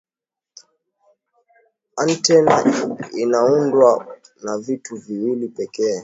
antena inaundwa na vitu viwili pekee